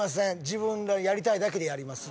自分のやりたいだけでやります